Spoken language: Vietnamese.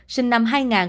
sinh năm hai nghìn bốn